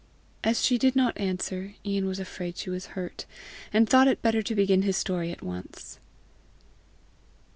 As she did not answer, Ian was afraid she was hurt, and thought it better to begin his story at once.